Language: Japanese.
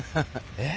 えっ？